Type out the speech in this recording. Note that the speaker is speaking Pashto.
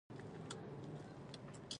پښتو ژبه د خپلو لیکوالانو له ناغېړۍ کړېږي.